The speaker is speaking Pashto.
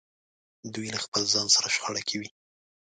دوی له خپل ځان سره شخړه کې وي.